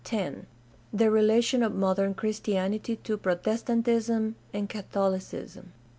10. The relation of modern Christianity to Protestantism and CathoUcism.